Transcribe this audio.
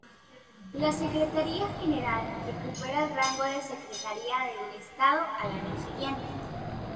La secretaría general recupera el rango de secretaría de Estado al año siguiente.